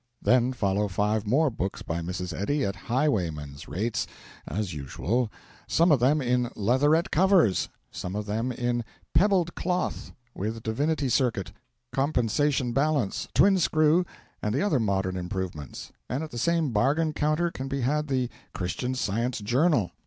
Then follow five more books by Mrs. Eddy at highwaymen's rates, as usual, some of them in 'leatherette covers,' some of them in 'pebbled cloth,' with divinity circuit, compensation balance, twin screw, and the other modern improvements: and at the same bargain counter can be had the 'Christian Science Journal.'